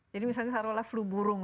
jadi misalnya salah salah flu burung